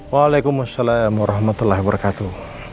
waalaikumsalam warahmatullahi wabarakatuh